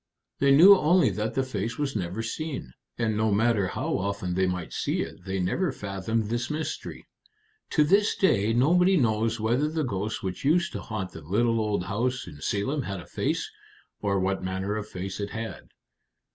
They knew only that the face was never seen. And no matter how often they might see it, they never fathomed this mystery. To this day nobody knows whether the ghost which used to haunt the little old house in Salem had a face, or what manner of face it had."